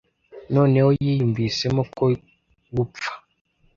noneho yiyumvisemo ko gupfa